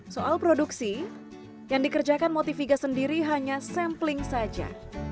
soal produksi yang dikerjakan motiviga sendiri hanya sampling saja